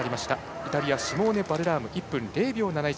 イタリア、シモーネ・バルラーム１分０秒７１。